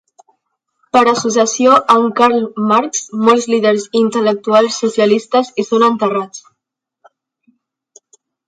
Per associació amb Karl Marx, molts líders i intel·lectuals socialistes hi són enterrats.